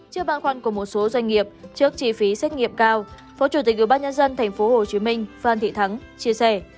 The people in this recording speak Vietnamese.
trước bạc khoăn của một số doanh nghiệp trước chi phí xét nghiệm cao phó chủ tịch ủy ban nhân dân tp hcm phan thị thắng chia sẻ